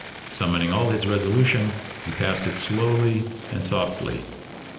Summoning all his resolution, he passed it slowly and softly.